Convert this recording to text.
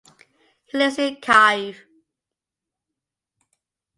He lives in Kyiv.